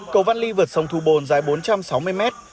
cầu văn ly vượt sông thu bồn dài bốn trăm sáu mươi mét